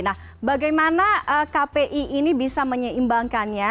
nah bagaimana kpi ini bisa menyeimbangkannya